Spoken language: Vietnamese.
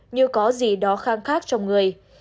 như có gì đó khang khác trong người